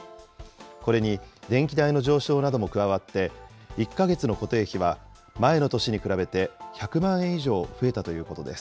これに電気代の上昇なども加わって、１か月の固定費は前の年に比べて１００万円以上増えたということです。